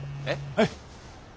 はい。